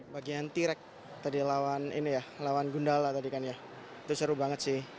bagian t rex tadi lawan gundala itu seru banget sih